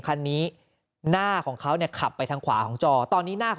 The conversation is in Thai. คันนี้หน้าของเขาเนี่ยขับไปทางขวาของจอตอนนี้หน้า